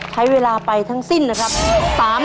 ใช้เวลาไปทั้งสิ้นนะครับ